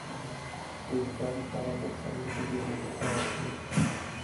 د يوه کار لپاره له اوسنۍ شېبې نه بهتر وخت نشته.